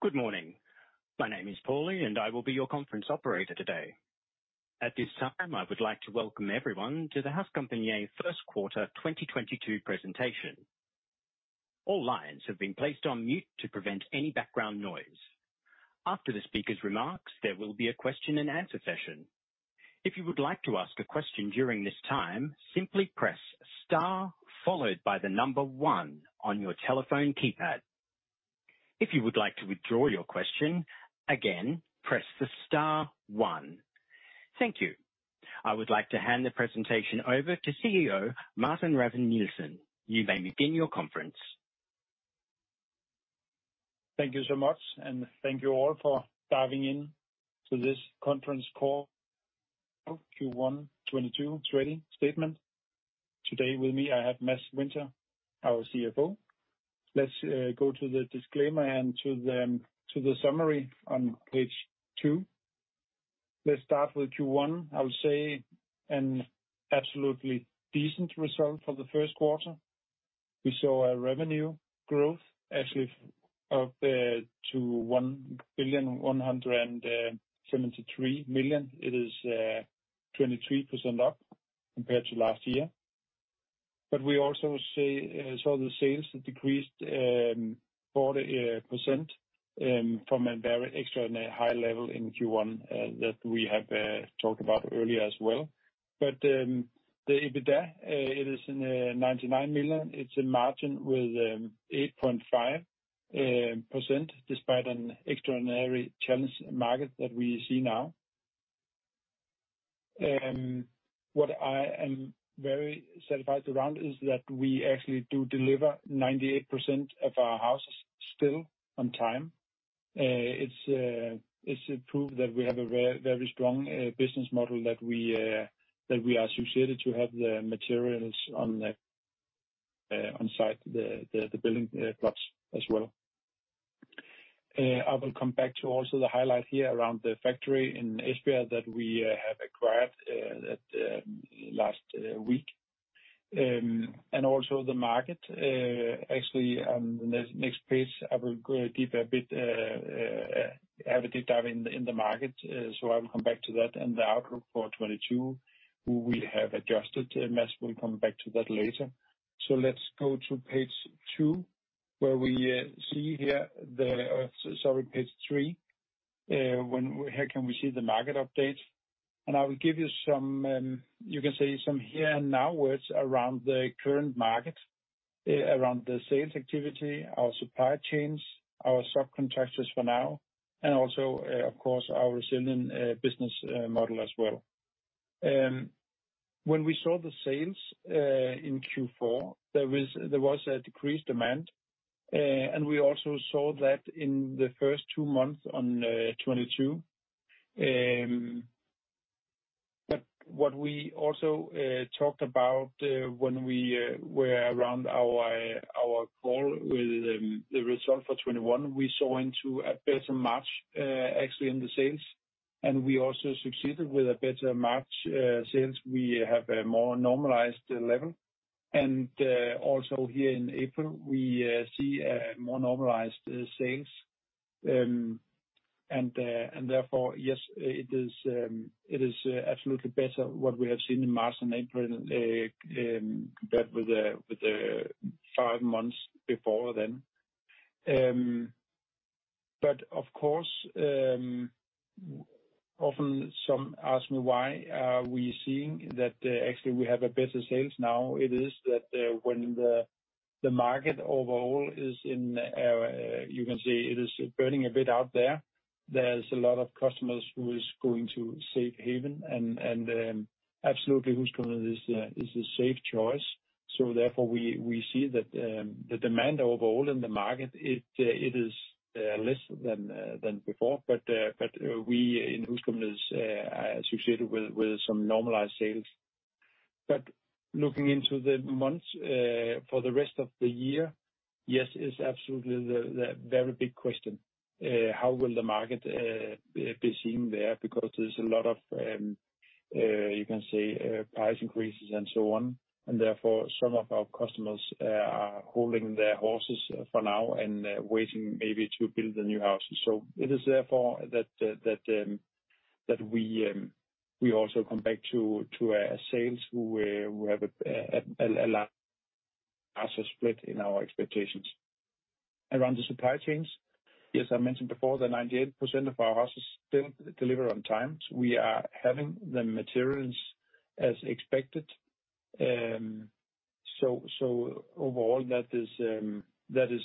Good morning. My name is Paulie, and I will be your conference operator today. At this time, I would like to welcome everyone to the HusCompagniet first quarter 2022 presentation. All lines have been placed on mute to prevent any background noise. After the speaker's remarks, there will be a Q&A session. If you would like to ask a question during this time, simply press star followed by the number one on your telephone keypad. If you would like to withdraw your question, again, press the star one. Thank you. I would like to hand the presentation over to CEO Martin Ravn-Nielsen. You may begin your conference. Thank you so much, and thank you all for diving in to this conference call of Q1 2022 trading statement. Today with me, I have Mads Winther, our CFO. Let's go to the disclaimer and to the summary on page two. Let's start with Q1. I would say an absolutely decent result for the first quarter. We saw a revenue growth actually of 2.173 billion. It is 23% up compared to last year. We also saw the sales decreased 40% from a very extraordinary high level in Q1 that we have talked about earlier as well. The EBITDA, it is 99 million. It's a margin with 8.5% despite an extraordinary challenged market that we see now. What I am very satisfied around is that we actually do deliver 98% of our houses still on time. It's a proof that we have a very, very strong business model that we are associated to have the materials on site the building plots as well. I will come back to also the highlight here around the factory in Esbjerg that we have acquired last week. Also the market actually on the next page, I will have a deep dive in the market, so I will come back to that and the outlook for 2022, who we have adjusted. Mads will come back to that later. Let's go to page two, where we see here. Sorry, page three. Here we can see the market updates. I will give you some, you can say some here and now words around the current market, around the sales activity, our supply chains, our subcontractors for now, and also, of course, our resilient business model as well. When we saw the sales in Q4, there was a decreased demand, and we also saw that in the first two months of 2022. What we also talked about when we were on our call with the result for 2021, we saw a better March actually in the sales. We also succeeded with a better March sales. We have a more normalized level. also here in April, we see a more normalized sales. Therefore, yes, it is absolutely better what we have seen in March and April, compared with the five months before then. Of course, often someone asks me why we are seeing that actually we have better sales now. It is that when the market overall is in, you can say it is burning a bit out there. There's a lot of customers who is going to safe haven and absolutely HusCompagniet is a safe choice. Therefore we see that the demand overall in the market, it is less than before. We in HusCompagniet is associated with some normalized sales. Looking into the months for the rest of the year, yes, it's absolutely the very big question, how will the market be seen there because there's a lot of you can say price increases and so on. Therefore, some of our customers are holding their horses for now and waiting maybe to build the new houses. It is therefore that we also come back to a sales flow with a large spread in our expectations. Around the supply chains, yes, I mentioned before that 98% of our houses still deliver on time. We are having the materials as expected. So overall that is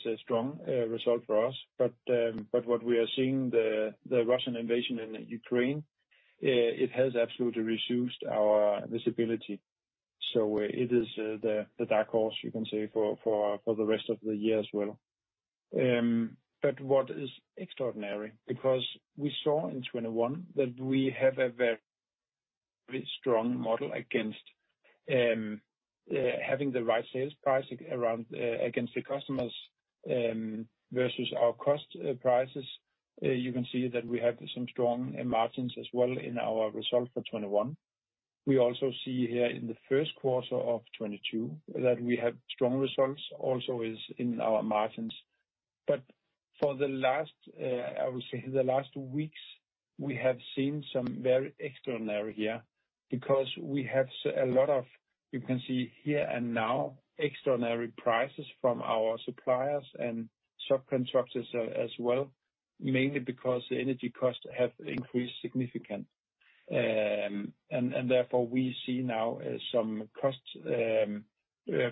a strong result for us. What we are seeing, the Russian invasion in Ukraine, it has absolutely reduced our visibility. It is the dark horse you can say for the rest of the year as well. What is extraordinary, because we saw in 2021 that we have a very strong model against having the right sales price around against the customers versus our cost prices. You can see that we have some strong margins as well in our result for 2021. We also see here in the first quarter of 2022 that we have strong results also is in our margins. For the last, I will say the last weeks, we have seen some very extraordinary here because we have seen a lot of, you can see here and now, extraordinary prices from our suppliers and subcontractors as well, mainly because the energy costs have increased significantly. Therefore, we see now some cost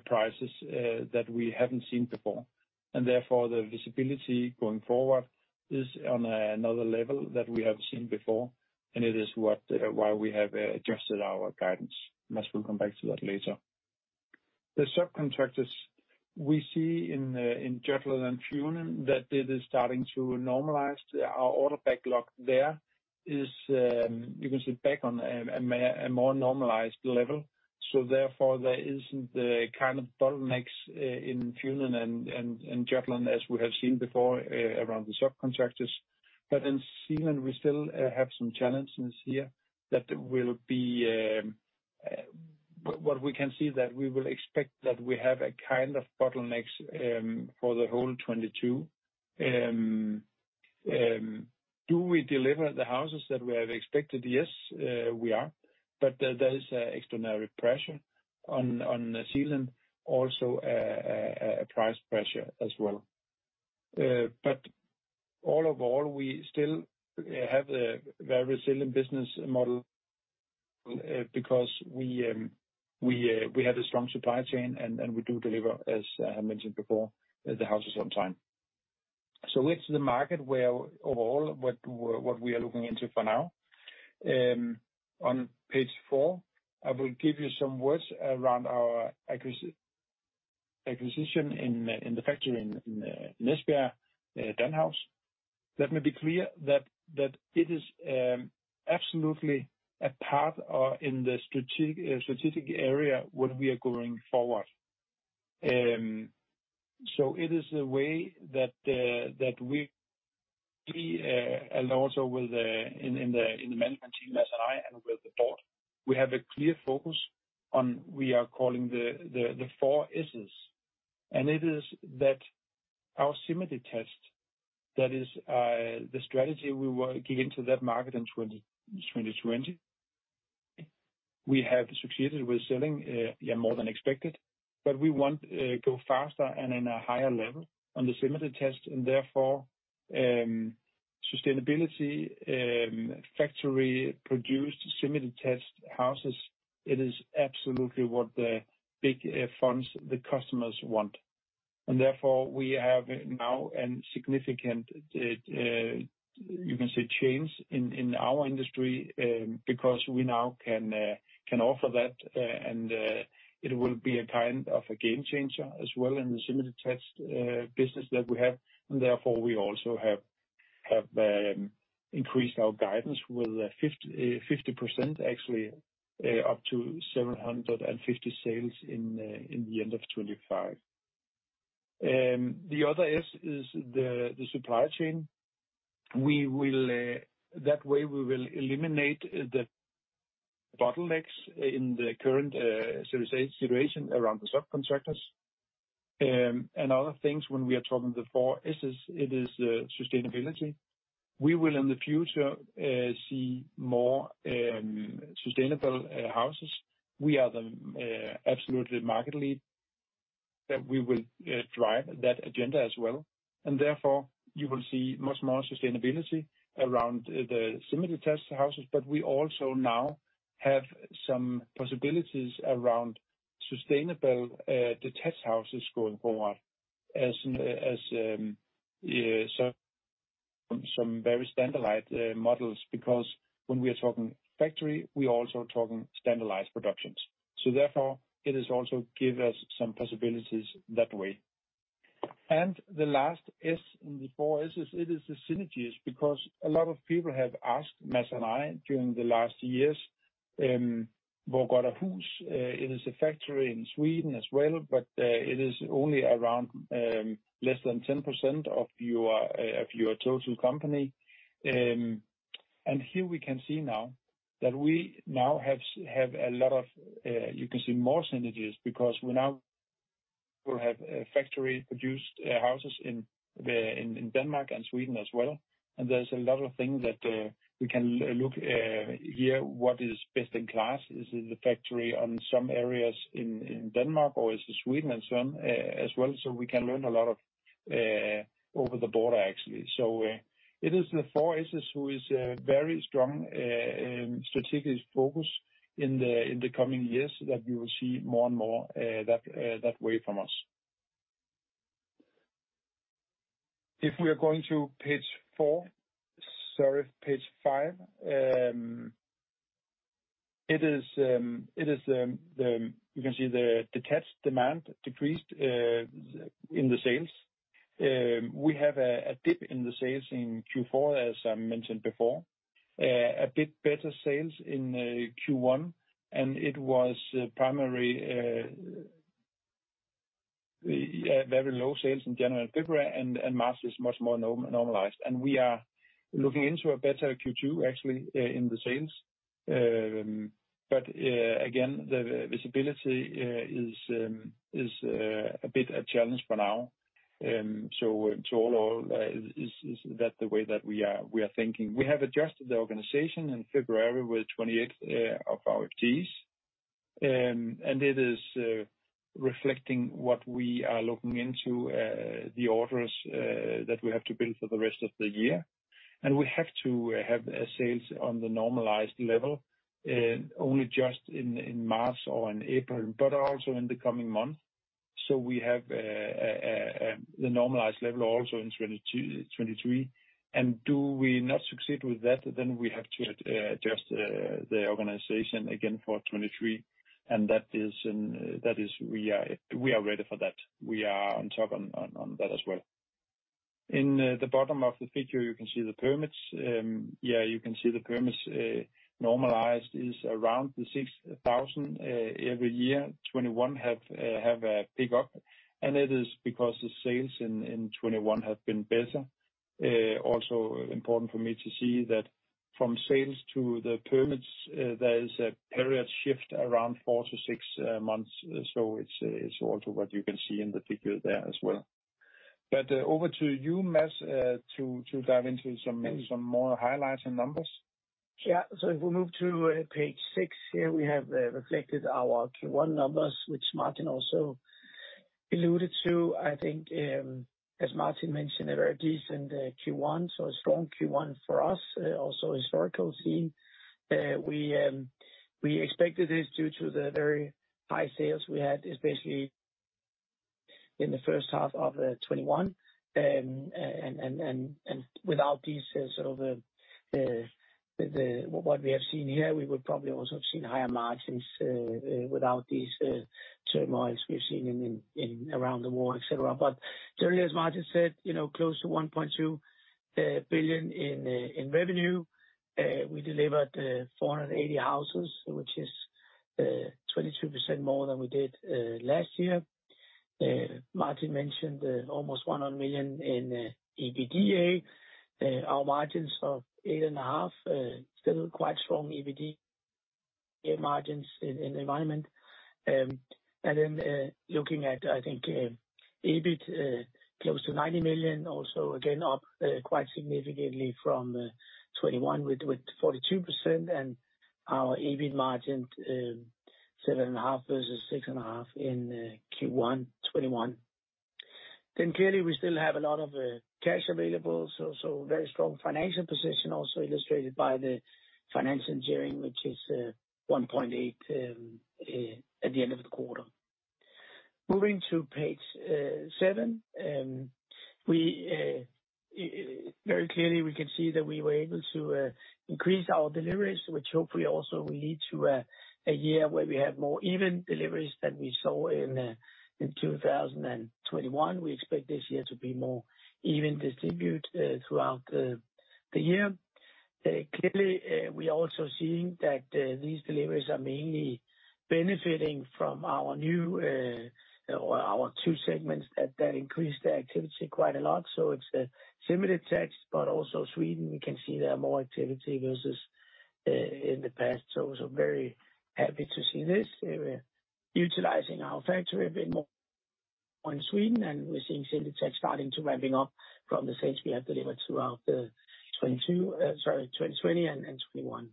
prices that we haven't seen before. Therefore, the visibility going forward is on another level that we haven't seen before, and it is why we have adjusted our guidance, as we'll come back to that later. The subcontractors we see in Jutland and Funen that it is starting to normalize. Our order backlog there is, you can see back on a more normalized level. Therefore, there isn't the kind of bottlenecks in Funen and Jutland as we have seen before around the subcontractors. In Zealand we still have some challenges here that will be what we can see that we will expect that we have a kind of bottlenecks for the whole 2022. Do we deliver the houses that we have expected? Yes, we are. There is extraordinary pressure on Zealand, also a price pressure as well. All in all, we still have a very resilient business model because we have a strong supply chain, and we do deliver, as I mentioned before, the houses on time. It's the market where overall what we are looking into for now. On page four, I will give you some words around our acquisition in the factory in Esbjerg, Danhaus. Let me be clear that it is absolutely a part of the strategic area when we are going forward. It is a way that we and also with the management team, Mads and I, and with the board, we have a clear focus on what we are calling the four S's. It is our strategy test, that is, the strategy we were giving to that market in 2020. We have succeeded with selling more than expected, but we want go faster and in a higher level on the semi-detached, and therefore sustainability factory-produced semi-detached houses, it is absolutely what the big funds and the customers want. Therefore, we have now a significant you can say change in our industry because we now can offer that. It will be a kind of a game changer as well in the semi-detached business that we have. Therefore we also have increased our guidance with 50% actually up to 750 sales in the end of 2025. The other S is the supply chain. That way we will eliminate the bottlenecks in the current situation around the subcontractors. Other things when we are talking the four S's, it is sustainability. We will in the future see more sustainable houses. We are absolutely the market leader that we will drive that agenda as well. Therefore you will see much more sustainability around the semi-detached houses. We also now have some possibilities around sustainable detached houses going forward as some very standardized models, because when we are talking factory, we are also talking standardized productions. Therefore it is also give us some possibilities that way. The last S in the four S's, it is the synergies, because a lot of people have asked Mads and I during the last years. VårgårdaHus, it is a factory in Sweden as well, but it is only around less than 10% of your total company. Here we can see now that we now have a lot of, you can see more synergies because we now will have factory-produced houses in Denmark and Sweden as well. There's a lot of things that we can look here, what is best in class. Is it the factory on some areas in Denmark or is it Sweden and so on as well, so we can learn a lot over the border actually. It is the four S's who is a very strong strategic focus in the coming years that we will see more and more that way from us. If we are going to page four, sorry, page five, it is you can see the detached demand decreased in the sales. We have a dip in the sales in Q4, as I mentioned before, a bit better sales in Q1, and it was primarily the very low sales in January and February, and March is much more normalized. We are looking into a better Q2 actually in the sales. Again, the visibility is a bit of a challenge for now. So all is that the way that we are thinking. We have adjusted the organization in February with 28 of our teams. It is reflecting what we are looking into the orders that we have to build for the rest of the year. We have to have sales on the normalized level only just in March or in April, but also in the coming months. We have the normalized level also in 2022, 2023. Do we not succeed with that, then we have to adjust the organization again for 2023. That is we are ready for that. We are on top of that as well. In the bottom of the figure, you can see the permits. Yeah, you can see the permits, normalized is around the 6,000 every year. 2021 have a pickup, and it is because the sales in 2021 have been better. Also important for me to see that from sales to the permits, there is a period shift around four-six months. It's also what you can see in the figure there as well. Over to you, Mads, to dive into some more highlights and numbers. Yeah. If we move to page six here, we have reflected our Q1 numbers, which Martin also alluded to. I think, as Martin mentioned, a very decent Q1, a strong Q1 for us, also historically speaking. We expected this due to the very high sales we had, especially in the H1 of 2021. Without these, sort of, what we have seen here, we would probably also have seen higher margins, without these turmoils we've seen in around the war, et cetera. Generally, as Martin said, you know, close to 1.2 billion in revenue. We delivered 480 houses, which is 22% more than we did last year. Martin mentioned almost 100 million in EBITDA. Our margins of 8.5% still quite strong EBITDA margins in the environment. Looking at, I think, EBIT close to 90 million also again up quite significantly from 2021 with 42%. Our EBIT margin 7.5% versus 6.5% in Q1 2021. Clearly we still have a lot of cash available, so very strong financial position also illustrated by the financial gearing, which is 1.8x at the end of the quarter. Moving to page seven, very clearly we can see that we were able to increase our deliveries, which hopefully also will lead to a year where we have more even deliveries than we saw in 2021. We expect this year to be more even distributed throughout the year. Clearly, we are also seeing that these deliveries are mainly benefiting from our new or our two segments that increased the activity quite a lot. It's semi-detached, but also Sweden we can see there are more activity versus in the past. Very happy to see this. Utilizing our factory a bit more in Sweden, and we're seeing semi-detached starting to ramp up from the sales we have delivered throughout the 2020 and 2021.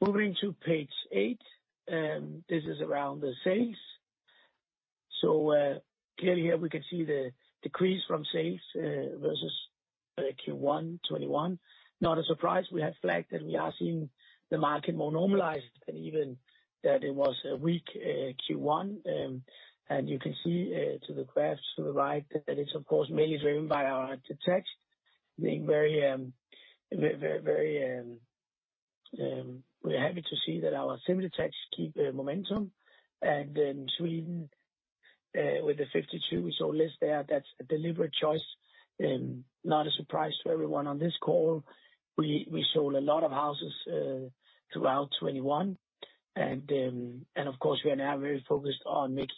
Moving to page eight, this is around the sales. Clearly here we can see the decrease in sales versus Q1 2021. Not a surprise, we have flagged that we are seeing the market more normalized, and even that it was a weak Q1. You can see to the graphs to the right that it's of course mainly driven by our detached being very. We're happy to see that our semi-detached keep the momentum. Then Sweden with the 52, we sold less there. That's a deliberate choice, not a surprise to everyone on this call. We sold a lot of houses throughout 2021. Of course, we are now very focused on making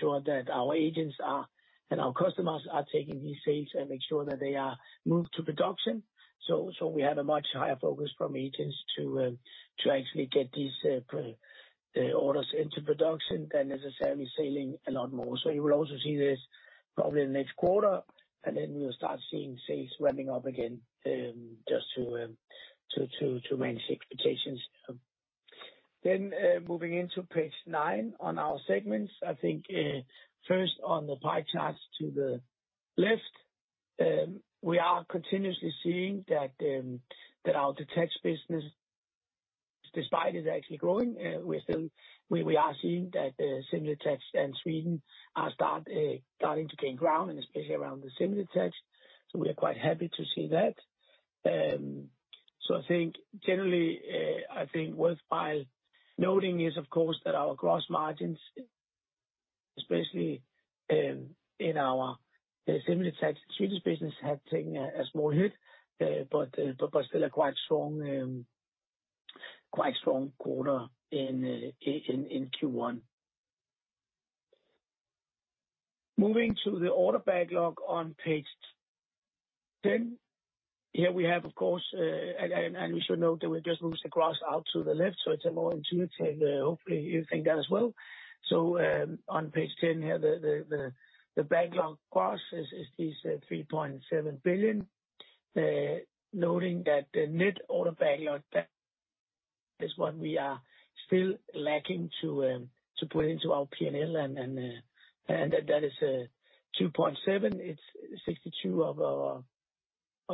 sure that our agents are, and our customers are taking these sales and make sure that they are moved to production. We have a much higher focus from agents to actually get these orders into production than necessarily selling a lot more. You will also see this probably next quarter, and then we'll start seeing sales ramping up again, just to manage expectations. Moving into page nine on our segments, I think, first on the pie charts to the left, we are continuously seeing that our detached business, despite it actually growing, we're still seeing that semi-detached and Sweden are starting to gain ground, and especially around the semi-detached. So we are quite happy to see that. So I think generally, worth noting is of course that our gross margins, especially in our semi-detached Swedish business, have taken a small hit, but still a quite strong quarter in Q1. Moving to the order backlog on page ten. Here we have, of course, we should note that we just moved the graphs out to the left, so it's a more intuitive, hopefully you think that as well. On page ten here, the backlog graphs is this 3.7 billion. Noting that the net order backlog is what we are still lacking to put into our P&L and that is 2.7 billion. It's 62%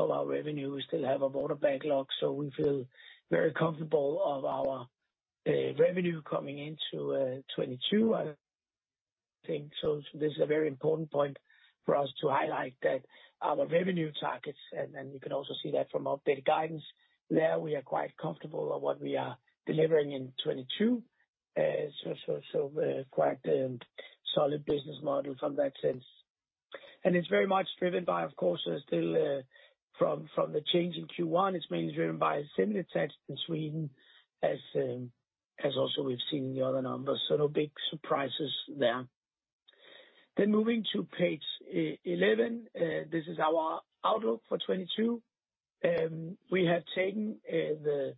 of our revenue. We still have order backlog, so we feel very comfortable of our revenue coming into 2022. I think so this is a very important point for us to highlight that our revenue targets, and you can also see that from updated guidance there, we are quite comfortable on what we are delivering in 2022. Quite solid business model from that sense. It's very much driven by, of course, still from the change in Q1, it's mainly driven by VårgårdaHus in Sweden as also we've seen in the other numbers, no big surprises there. Moving to page eleven. This is our outlook for 2022. We have taken the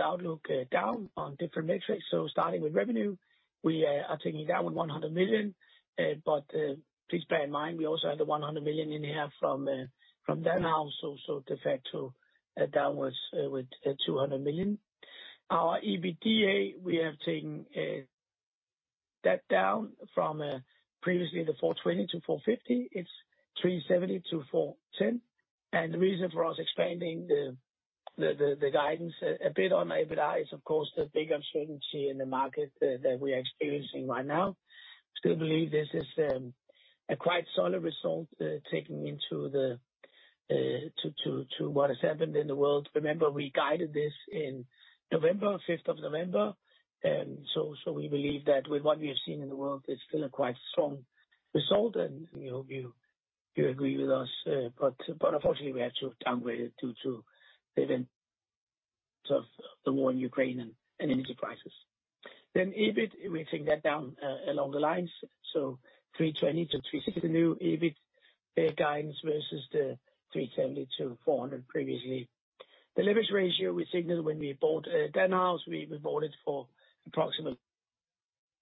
outlook down on different metrics. Starting with revenue, we are taking it down 100 million. But please bear in mind, we also had the 100 million in here from Danhaus. De facto downwards with 200 million. Our EBITDA, we have taken that down from previously 420 million-450 million. It's 370 million-410 million. The reason for us expanding the guidance a bit on EBITDA is of course the big uncertainty in the market that we're experiencing right now. Still believe this is a quite solid result, taking into what has happened in the world. Remember, we guided this in November, fifth of November. We believe that with what we have seen in the world, it's still a quite strong result and we hope you agree with us. Unfortunately, we had to downgrade it due to events of the war in Ukraine and energy prices. EBIT, we think it's down along the lines, 320-360 new EBIT guidance versus the 370-400 previously. The leverage ratio we signaled when we bought Danhaus, we bought it for approximately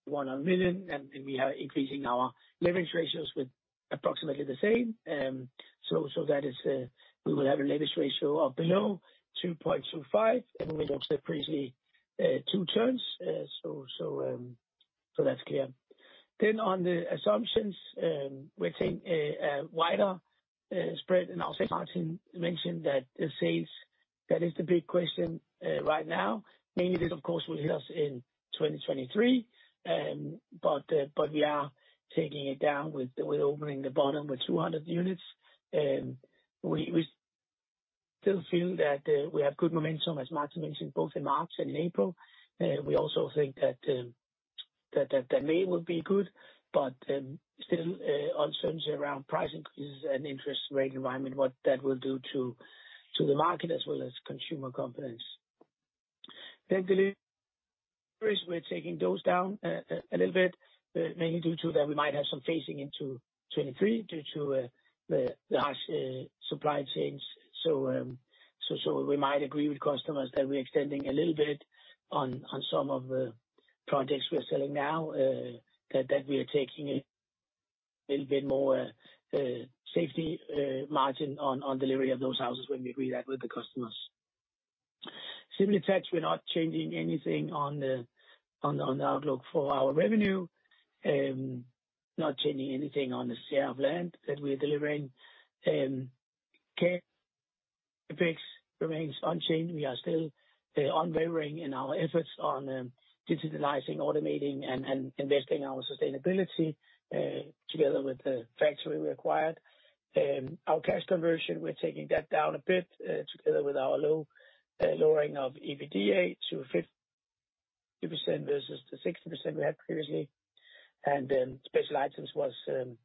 100 million, and we are increasing our leverage ratios with approximately the same. That is, we will have a leverage ratio of below 2.25x, and we reduced it previously two turns. That's clear. On the assumptions, we're taking a wider spread, and also Martin mentioned that the sales, that is the big question right now. Mainly that of course will hit us in 2023. But we are taking it down with opening the bottom with 200 units. We still feel that we have good momentum, as Martin mentioned, both in March and April. We also think that May will be good, but still uncertainty around price increases and interest rate environment, what that will do to the market as well as consumer confidence. Deliveries, we're taking those down a little bit, mainly due to that we might have some phasing into 2023 due to the harsh supply chains. We might agree with customers that we're extending a little bit on some of the projects we are selling now, that we are taking a little bit more safety margin on delivery of those houses when we agree that with the customers. Semi-detached, we're not changing anything on the outlook for our revenue. Not changing anything on the sale of land that we're delivering. Capex remains unchanged. We are still unwavering in our efforts on digitizing, automating and investing in sustainability together with the factory we acquired. Our cash conversion, we're taking that down a bit together with our lowering of EBITDA to 50% versus the 60% we had previously. Special items was very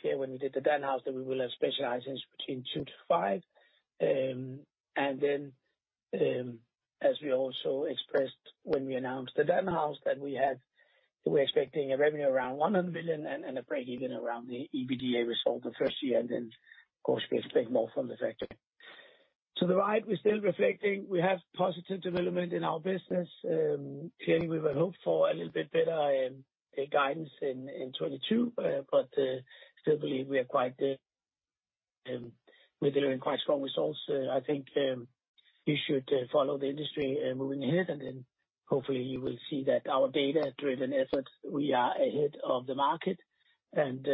clear when we did the Danhaus that we will have special items between 2-5. As we also expressed when we announced the Danhaus, we're expecting a revenue around 100 million and a breakeven around the EBITDA result the first year, and then of course we expect more from the factory. To the right, we're still reflecting we have positive development in our business. Clearly we would hope for a little bit better guidance in 2022. Still believe we are quite, we're delivering quite strong results. I think you should follow the industry moving ahead, and then hopefully you will see that our data-driven efforts, we are ahead of the market and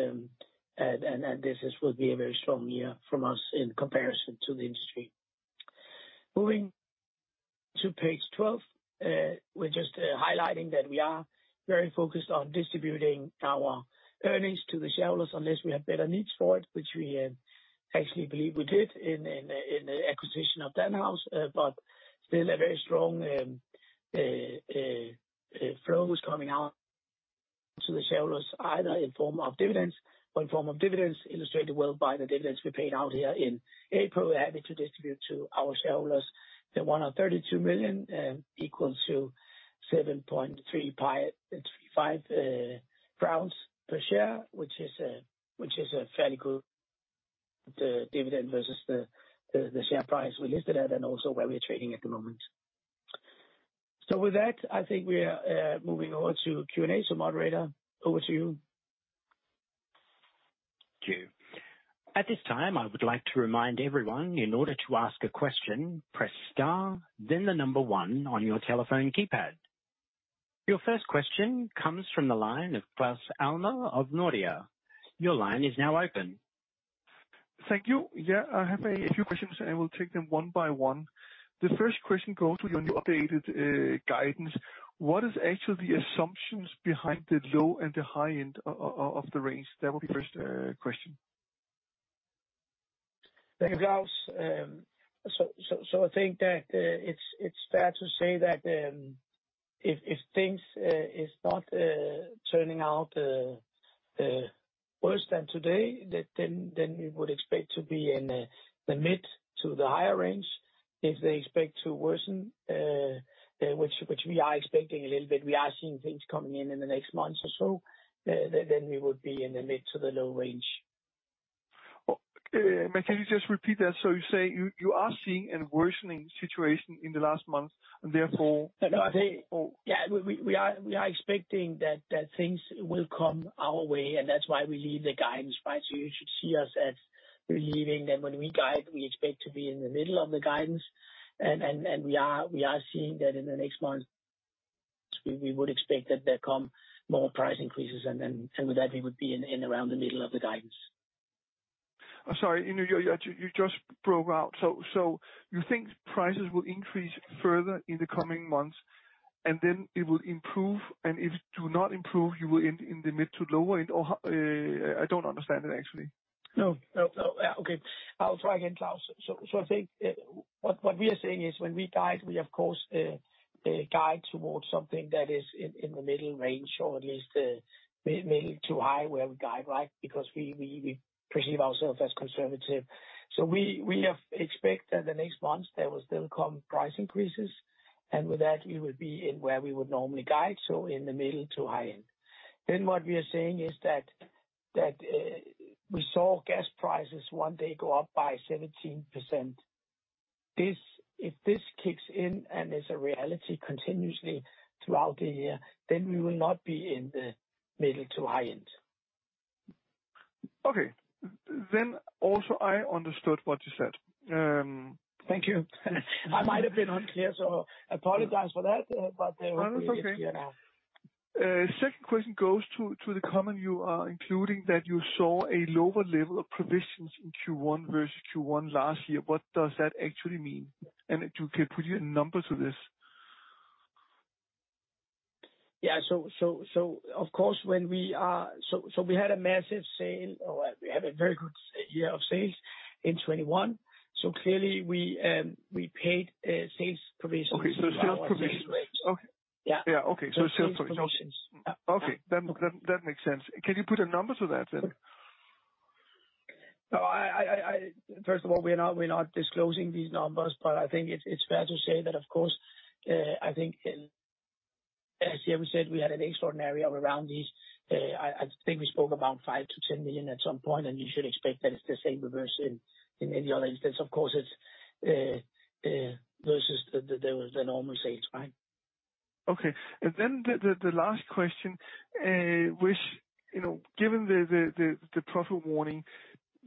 this will be a very strong year from us in comparison to the industry. Moving to page 12. We're just highlighting that we are very focused on distributing our earnings to the shareholders unless we have better needs for it, which we actually believe we did in the acquisition of Danhaus. still a very strong flow is coming out to the shareholders, either in form of dividends, illustrated well by the dividends we paid out here in April. We're happy to distribute to our shareholders 132 million, equal to 7.335 crowns per share, which is a fairly good dividend versus the share price we listed at and also where we're trading at the moment. With that, I think we are moving on to Q&A. Moderator, over to you. Thank you. At this time, I would like to remind everyone, in order to ask a question, press star then the number one on your telephone keypad. Your first question comes from the line of Claus Almer of Nordea. Your line is now open. Thank you. Yeah, I have a few questions, and I will take them one by one. The first question goes to your new updated guidance. What is actually the assumptions behind the low and the high end of the range? That will be first question. Thank you, Claus. I think that it's fair to say that if things is not turning out worse than today, then we would expect to be in the mid to the higher range. If they expect to worsen, which we are expecting a little bit, we are seeing things coming in the next months or so, then we would be in the mid to the low range. Can you just repeat that? You're saying you are seeing a worsening situation in the last month and therefore- No, no. I think. Yeah, we are expecting that things will come our way and that's why we leave the guidance, right? You should see us as we're leaving. When we guide, we expect to be in the middle of the guidance and we are seeing that in the next month, we would expect that there come more price increases and then with that we would be in and around the middle of the guidance. I'm sorry. You know, you're just broke out. You think prices will increase further in the coming months and then it will improve and if do not improve, you will end in the mid to lower end or how? I don't understand that actually. No, no. Okay, I'll try again, Claus. I think what we are saying is when we guide, we of course guide towards something that is in the middle range or at least maybe too high where we guide, right? Because we perceive ourselves as conservative. We expect that the next months there will still come price increases and with that it will be in where we would normally guide, so in the middle to high end. What we are saying is that we saw gas prices one day go up by 17%. If this kicks in and is a reality continuously throughout the year, then we will not be in the middle to high end. Okay. Also I understood what you said. Thank you. I might have been unclear, so apologize for that, but yeah. No, it's okay. Second question goes to the comment you are including that you saw a lower level of provisions in Q1 versus Q1 last year. What does that actually mean? Could you put your numbers to this? Yeah. Of course, we had a massive sales or we had a very good year of sales in 2021, so clearly we paid sales provisions. Okay. Sales provisions. Yeah. Yeah. Okay. Sales provisions. Okay. That makes sense. Can you put a number to that then? No, I first of all, we're not disclosing these numbers. I think it's fair to say that of course, I think last year we said we had an extraordinary of around these. I think we spoke about 5 million-10 million at some point, and you should expect that it's the same reserve in any other instance. Of course it's versus the normal sales, right? Okay. The last question, which, you know, given the profit warning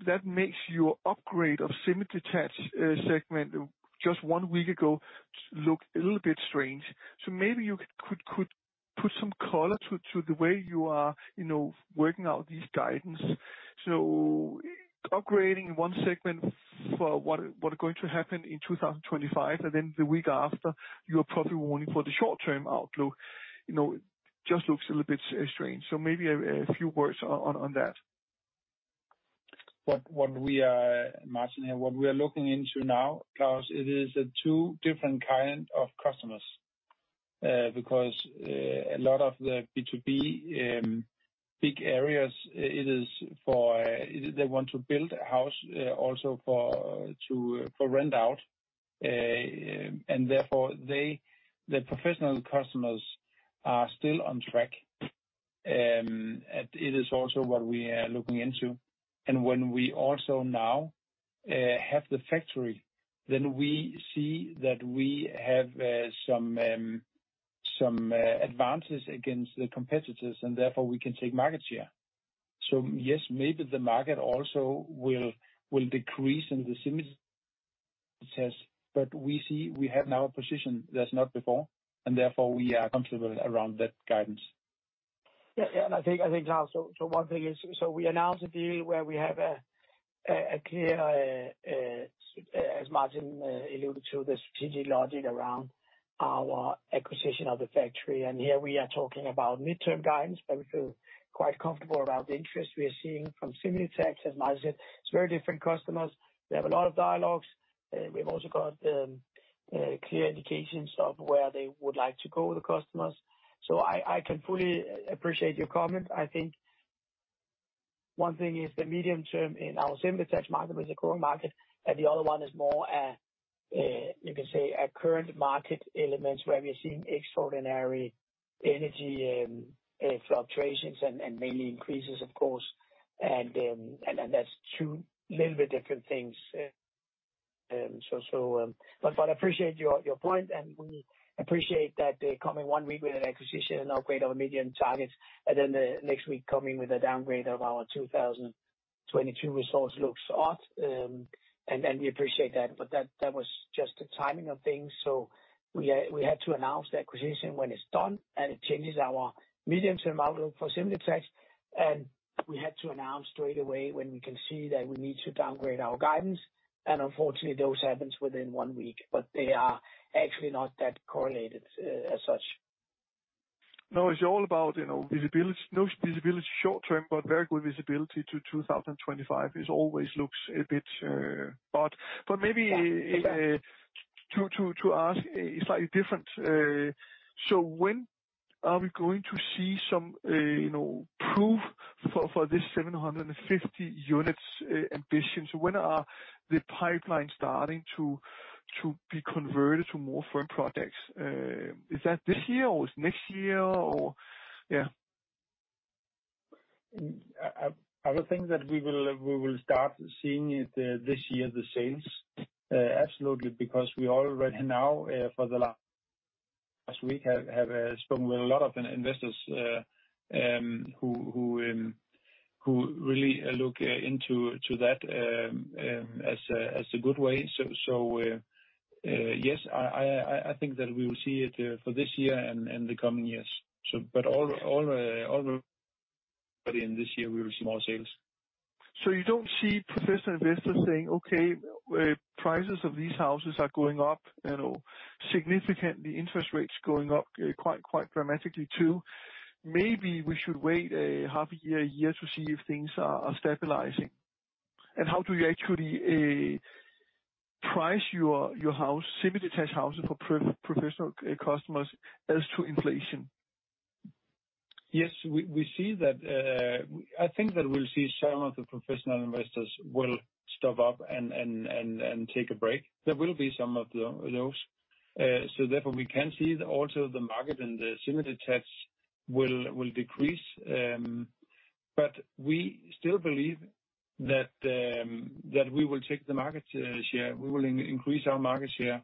that makes your upgrade of semi-detached segment just one week ago look a little bit strange. Maybe you could put some color to the way you are, you know, working out this guidance. Upgrading one segment for what is going to happen in 2025 and then the week after your profit warning for the short-term outlook, you know, it just looks a little bit strange. Maybe a few words on that. Martin here. What we are looking into now, Claus, it is two different kind of customers, because a lot of the B2B big areas, it is for they want to build a house also for to for rent out. Therefore they, the professional customers are still on track. It is also what we are looking into. When we also now have the factory, then we see that we have some advantages against the competitors and therefore we can take market share. Yes, maybe the market also will decrease in the semi-detached, but we see we have now a position that's not before and therefore we are comfortable around that guidance. I think, Claus, one thing is we announced a deal where we have a clear, as Martin alluded to, the strategic logic around our acquisition of the factory. Here we are talking about midterm guidance that we are quite comfortable about the interest we are seeing from similar tax. As Mads said, it's very different customers. We have a lot of dialogues. We've also got clear indications of where they would like to go with the customers. I can fully appreciate your comment. I think one thing is the medium-term in our single-family market was a growing market, and the other one is more, you can say, a current market element where we're seeing extraordinary energy and fluctuations and mainly increases of course, and that's two little bit different things. Appreciate your point, and we appreciate that the coming, one week with an acquisition, an upgrade of a medium-term target, and then the next week coming with a downgrade of our 2022 results looks odd. We appreciate that. That was just the timing of things. We had to announce the acquisition when it's done, and it changes our medium-term outlook for single-family. We had to announce straight away when we can see that we need to downgrade our guidance, and unfortunately those happen within one week, but they are actually not that correlated as such. No, it's all about, you know, visibility. No visibility short-term, but very good visibility to 2025. It always looks a bit odd. When are we going to see some, you know, proof for this 750 units ambition? When are the pipelines starting to be converted to more firm projects? Is that this year or is next year or yeah. I would think that we will start seeing it this year, the sales, absolutely, because we already now for the last week have spoken with a lot of investors, who really look into that as a good way. Yes, I think that we will see it for this year and the coming years. But in this year we will see more sales. You don't see professional investors saying, "Okay, prices of these houses are going up, you know, significantly, interest rates going up quite dramatically too. Maybe we should wait a half a year, a year to see if things are stabilizing." How do you actually price your house, semi-detached houses for professional customers as to inflation? Yes, we see that. I think that we'll see some of the professional investors will step up and take a break. There will be some of those. Therefore, we can see that the market and the semi-detached will decrease. We still believe that we will take the market share. We will increase our market share.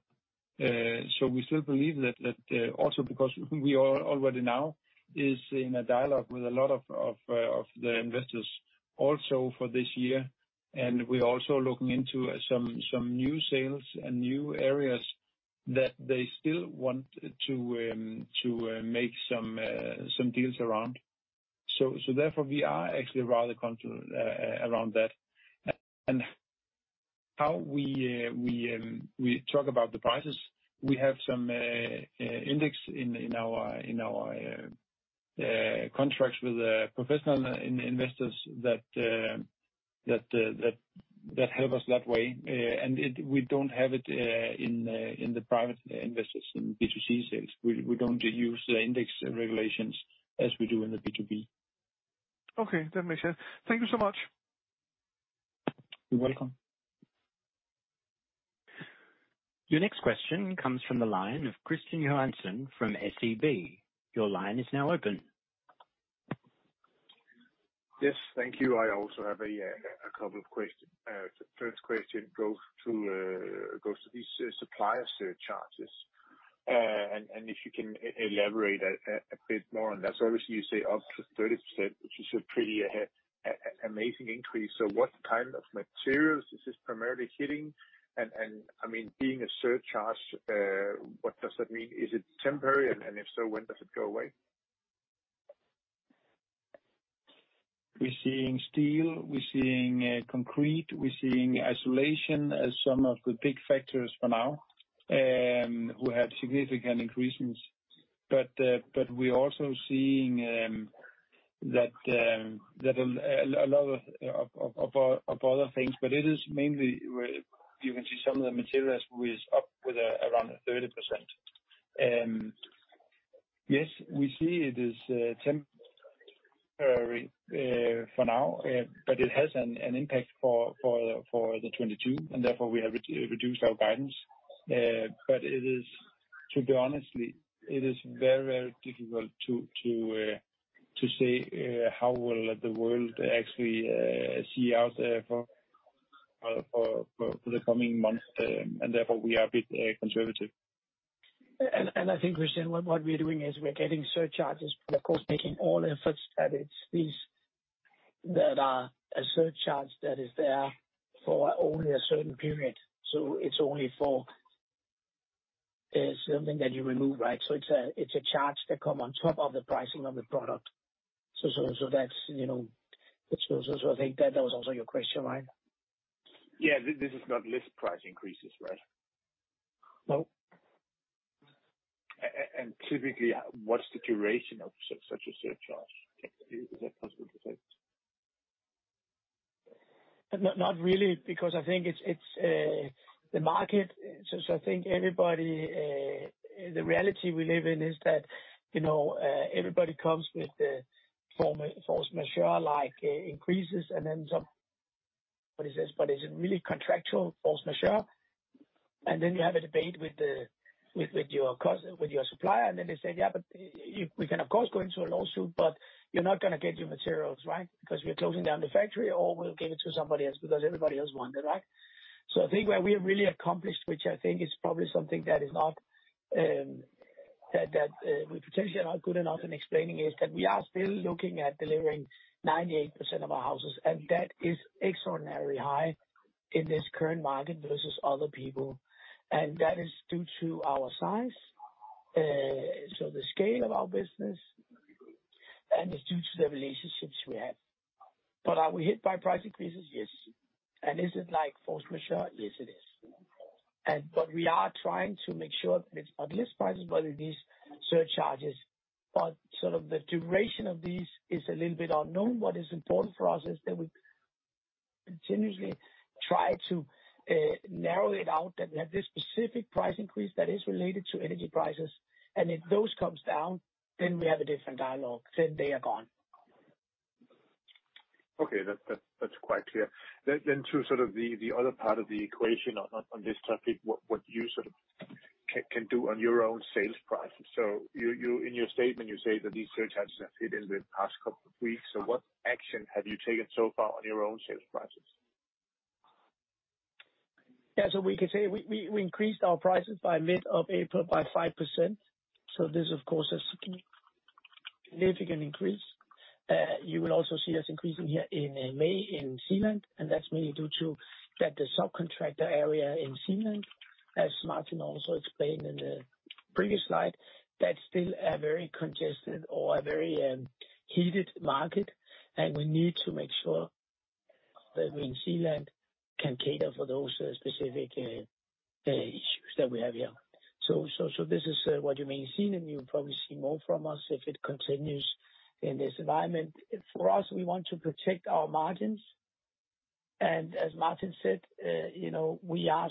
We still believe that also because we are already now in a dialogue with a lot of the investors also for this year. We're also looking into some new sales and new areas that they still want to make some deals around. Therefore, we are actually rather confident around that. How we talk about the prices. We have some index in our contracts with the professional investors that help us that way. We don't have it with the private investors in B2C sales. We don't use the index regulations as we do in the B2B. Okay. That makes sense. Thank you so much. You're welcome. Your next question comes from the line of Kristian Johansen from SEB. Your line is now open. Yes. Thank you. I also have a couple of questions. First question goes to these supplier surcharges. If you can elaborate a bit more on that. Obviously you say up to 30%, which is a pretty amazing increase. What kind of materials is this primarily hitting? I mean, being a surcharge, what does that mean? Is it temporary? If so, when does it go away? We're seeing steel, we're seeing concrete, we're seeing insulation as some of the big factors for now, who had significant increases. We're also seeing that a lot of other things. It is mainly where you can see some of the materials, which is up around 30%. Yes, we see it is temporary for now, but it has an impact for 2022, and therefore we have re-reduced our guidance. To be honest, it is very, very difficult to say how will the world actually see us for the coming months, and therefore we are a bit conservative. I think, Kristian, what we're doing is we're getting surcharges, but of course making all efforts that it's these that are a surcharge that is there for only a certain period. It's only for something that you remove, right? It's a charge that come on top of the pricing of the product. That's, you know, so I think that was also your question, right? Yeah. This is not list price increases, right? No. Typically what's the duration of such a surcharge? Is that possible to say? Not really, because I think it's the market. I think the reality we live in is that, you know, everybody comes with force majeure like increases. Is it really contractual force majeure? Then you have a debate with your supplier, and then they say, "Yeah, but we can of course go into a lawsuit, but you're not gonna get your materials, right? Because we're closing down the factory or we'll give it to somebody else because everybody else want it, right?" I think where we have really accomplished, which I think is probably something that we potentially are not good enough in explaining, is that we are still looking at delivering 98% of our houses, and that is extraordinarily high in this current market versus other people. That is due to our size. The scale of our business, and it's due to the relationships we have. Are we hit by price increases? Yes. Is it like force majeure? Yes, it is. We are trying to make sure it's on list prices, but it is surcharges. Sort of the duration of these is a little bit unknown. What is important for us is that we continuously try to narrow it out, that we have this specific price increase that is related to energy prices. If those comes down, then we have a different dialogue, then they are gone. Okay. That's quite clear. To sort of the other part of the equation on this topic, what you sort of can do on your own sales prices. You in your statement, you say that these surcharges have hit in the past couple of weeks. What action have you taken so far on your own sales prices? Yeah. We can say we increased our prices by mid-April by 5%. This of course is significant increase. You will also see us increasing here in May in Zealand, and that's mainly due to that the subcontractor area in Zealand, as Martin also explained in the previous slide, that's still a very congested or a very heated market. And we need to make sure that we in Zealand can cater for those specific issues that we have here. So this is what you may have seen, and you'll probably see more from us if it continues in this environment. For us, we want to protect our margins. As Martin said, you know, we are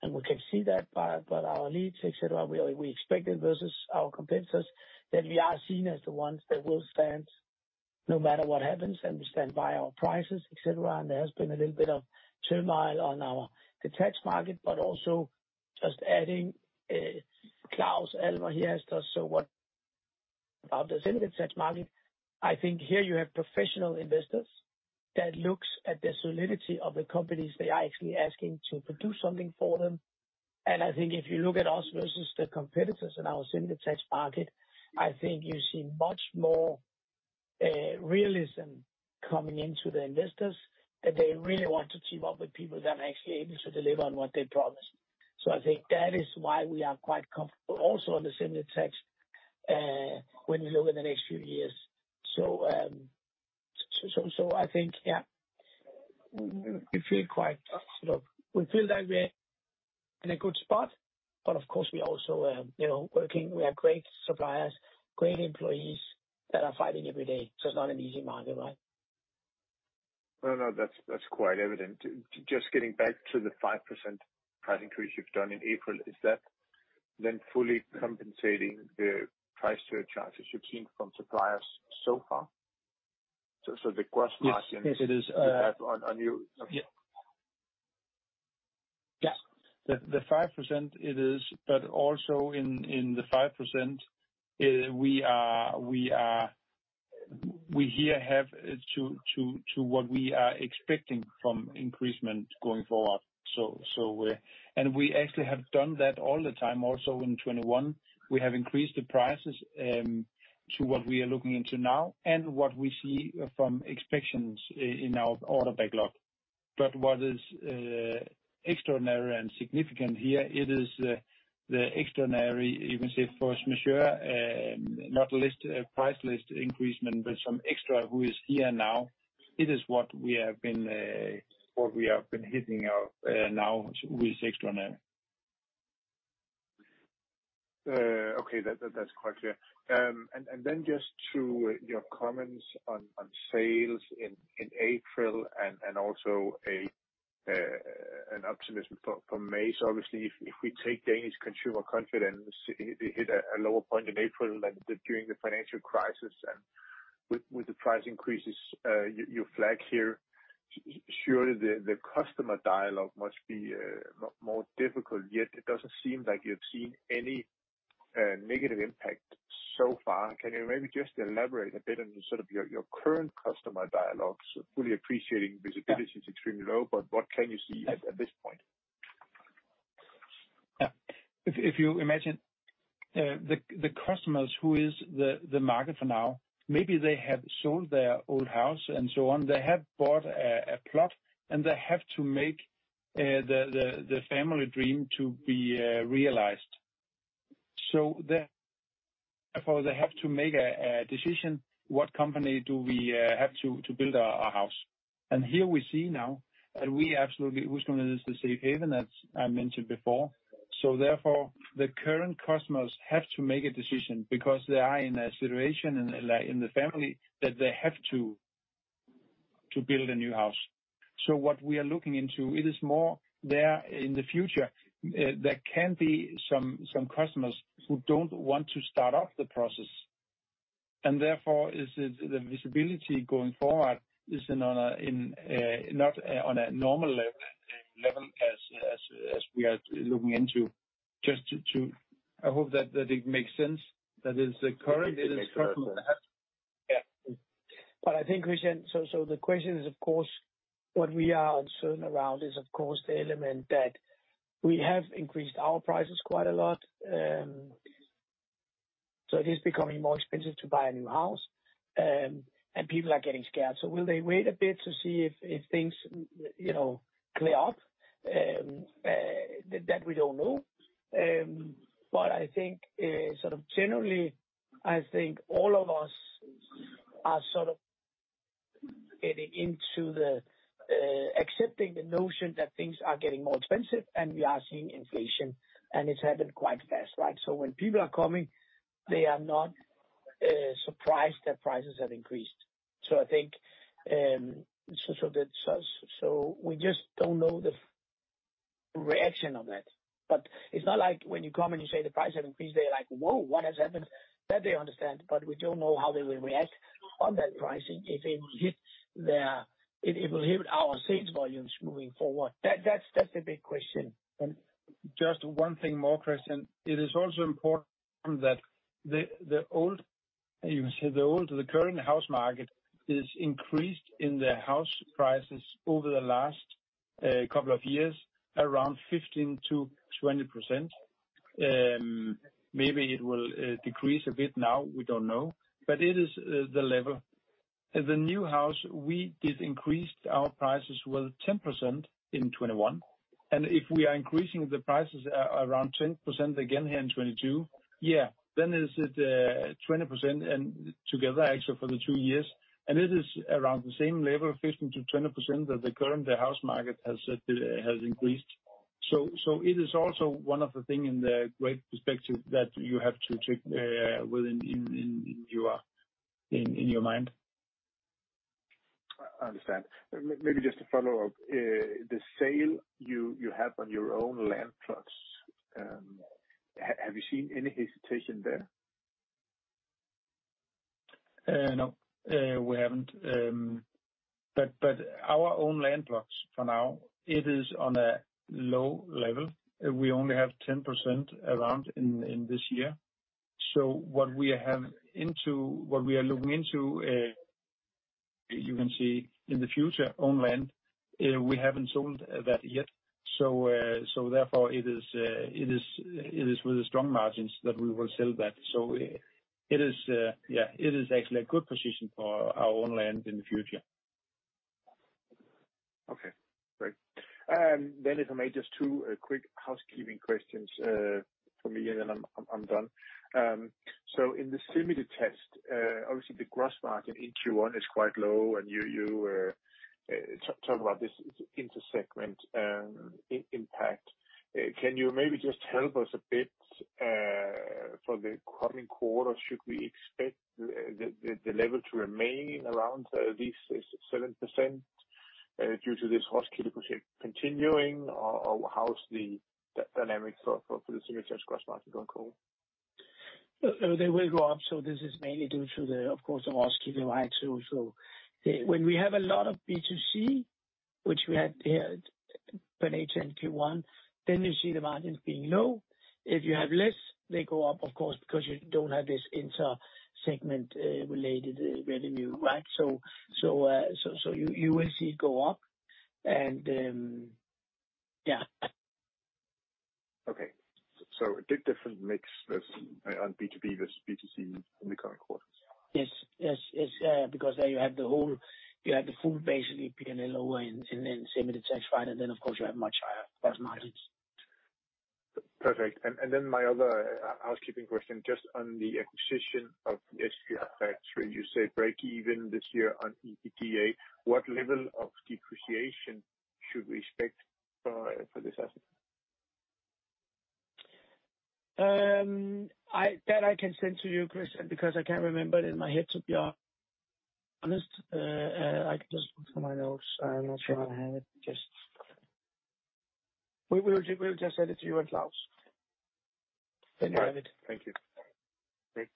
seeing, and we can see that by our leads, et cetera, we expect it versus our competitors, that we are seen as the ones that will stand no matter what happens, and we stand by our prices, et cetera. There has been a little bit of turmoil on our detached market, but also just adding, Claus Almer, he asked us, so what about this in the detached market? I think here you have professional investors that looks at the solidity of the companies they are actually asking to produce something for them. I think if you look at us versus the competitors in our semi-detached market, I think you see much more realism coming into the investors, that they really want to team up with people that are actually able to deliver on what they promise. I think that is why we are quite comfortable also on the semi-detached when we look at the next few years. I think, yeah, we feel quite sort of like we're in a good spot, but of course we also, you know, working. We have great suppliers, great employees that are fighting every day. It's not an easy market, right? No, no, that's quite evident. Just getting back to the 5% price increase you've done in April. Is that then fully compensating the price surcharges you've seen from suppliers so far? The gross margin- Yes. Yes, it is. you have on your Yeah. Yeah. The 5% it is, but also in the 5%, we are we here have to what we are expecting from increasement going forward. We actually have done that all the time also in 2021. We have increased the prices to what we are looking into now and what we see from expectations in our order backlog. But what is extraordinary and significant here it is the extraordinary, you can say force majeure, not price list increasement, but some extra who is here now. It is what we have been hitting now with extraordinary. Okay. That's quite clear. Then just to your comments on sales in April and also an optimism for May. Obviously if we take Danish consumer confidence, it hit a lower point in April than during the financial crisis. With the price increases you flag here, surely the customer dialogue must be more difficult, yet it doesn't seem like you've seen any negative impact so far. Can you maybe just elaborate a bit on sort of your current customer dialogues, fully appreciating visibility's extremely low, but what can you see at this point? Yeah. If you imagine the customers who is the market for now, maybe they have sold their old house and so on. They have bought a plot, and they have to make the family dream to be realized. Therefore, they have to make a decision, what company do we have to build our house? Here we see now that we absolutely, HusCompagniet is the safe haven, as I mentioned before. Therefore, the current customers have to make a decision because they are in a situation in the family that they have to build a new house. What we are looking into, it is more there in the future. There can be some customers who don't want to start up the process, and therefore the visibility going forward is not on a normal level as we are looking into. I hope that it makes sense. That is the current. It makes sense. Yeah. I think, Kristian, so the question is of course, what we are uncertain around is of course the element that we have increased our prices quite a lot. It is becoming more expensive to buy a new house, and people are getting scared. Will they wait a bit to see if things, you know, clear up? That we don't know. I think, sort of generally, I think all of us are sort of getting into the accepting the notion that things are getting more expensive and we are seeing inflation, and it's happened quite fast, right? When people are coming, they are not surprised that prices have increased. I think, so that's us. We just don't know the reaction on that. It's not like when you come and you say the price have increased, they're like, "Whoa, what has happened?" That they understand, but we don't know how they will react on that pricing, if it will hit their... If it will hit our sales volumes moving forward. That's the big question. Just one thing more, Kristian. It is also important that the old, you can say, the old to the current house market is increased in the house prices over the last couple of years, around 15%-20%. Maybe it will decrease a bit now, we don't know. It is the level. The new house, we did increase our prices with 10% in 2021, and if we are increasing the prices around 10% again here in 2022, yeah, then it's 20% and together actually for the two years. It is around the same level, 15%-20%, that the current housing market has increased. It is also one of the things in the greater perspective that you have to take in your mind. I understand. Maybe just to follow up. The sale you have on your own land plots, have you seen any hesitation there? No. We haven't. But our own land plots for now, it is on a low level. We only have 10% around in this year. What we are looking into, you can see in the future, own land, we haven't sold that yet. Therefore it is with strong margins that we will sell that. It is actually a good position for our own land in the future. Okay, great. If I may, just two quick housekeeping questions from me, and then I'm done. In the semi-detached segment, obviously the gross margin in Q1 is quite low, and you talk about this intersegment impact. Can you maybe just help us a bit for the coming quarter? Should we expect the level to remain around this 7% due to this VårgårdaHus project continuing, or how's the dynamics for the semi-detached segment gross margin going forward? They will go up, so this is mainly due to the, of course, the VårgårdaHus. When we have a lot of B2C, which we had here for H1 and Q1, then you see the margins being low. If you have less, they go up, of course, because you don't have this intersegment related revenue, right? You will see it go up and yeah. Okay. A bit different mix this on B2B versus B2C in the current quarters. Yes. Because there you have the full, basically, P&L and then semi-detached and then of course, you have much higher gross margins. Perfect. My other housekeeping question, just on the acquisition of the Danhaus factory. You say breakeven this year on EBITDA. What level of depreciation should we expect for this asset? That I can send to you, Kristian, because I can't remember it in my head, to be honest. I can just look for my notes. I'm not sure I have it. We will just send it to you and Claus. All right. Thank you. Great.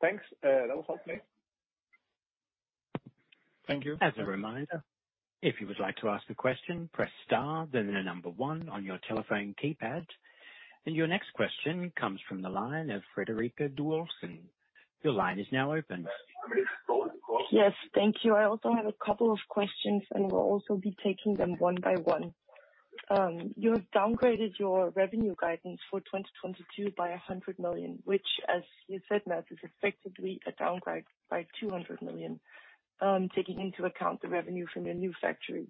Thanks. That was all for me. Thank you. As a reminder, if you would like to ask a question, press star then the number one on your telephone keypad. Your next question comes from the line of Frederikke Dahl Olsen. Your line is now open. Yes. Thank you. I also have a couple of questions, and we'll also be taking them one by one. You have downgraded your revenue guidance for 2022 by 100 million, which, as you said, Mads, is effectively a downgrade by 200 million, taking into account the revenue from your new factory.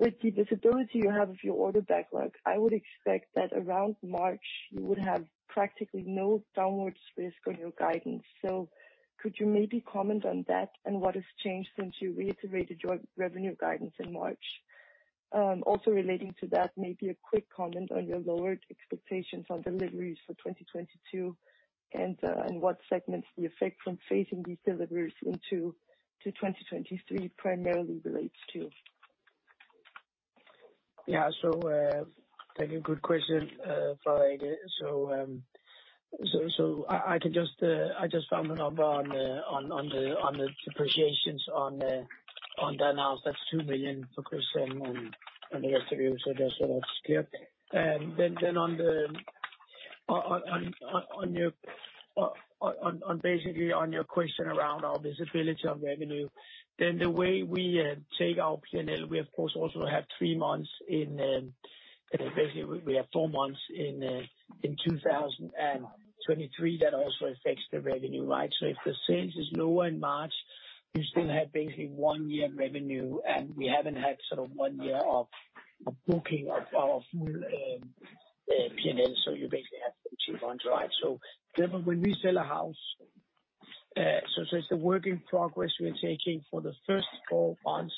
With the visibility you have of your order backlog, I would expect that around March you would have practically no downward risk on your guidance. Could you maybe comment on that and what has changed since you reiterated your revenue guidance in March? Also relating to that, maybe a quick comment on your lowered expectations on deliveries for 2022 and what segments the effect from phasing these deliveries into 2023 primarily relates to. Yeah. Thank you. Good question, Frederikke. I can just, I just found the number on the depreciations on Danhaus. That's 2 million for Kristian and the rest of you. Just sort of skip. Then on basically on your question around our visibility of revenue, the way we take our P&L, we of course also have three months in, basically we have four months in 2023. That also affects the revenue, right? If the sales is lower in March, you still have basically one year revenue, and we haven't had sort of one year of booking of our full P&L. You basically have two months, right? When we sell a house, it's the work in progress we are taking for the first four months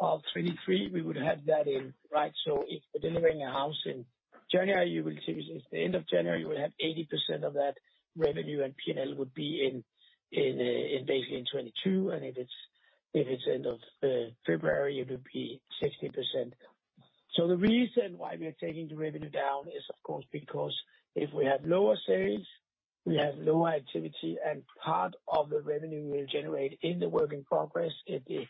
of 2023, we would have that in, right? If we're delivering a house in January, you will see it's the end of January, you will have 80% of that revenue and P&L would be in basically in 2022. If it's end of February, it would be 60%. The reason why we are taking the revenue down is of course because if we have lower sales, we have lower activity. Part of the revenue we'll generate in the work in progress at the